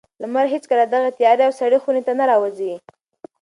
لمر هېڅکله دغې تیاره او سړې خونې ته نه راوځي.